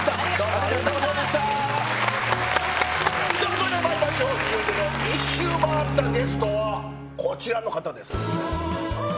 それではまいりましょう続いての１周回ったゲストはこちらの方です。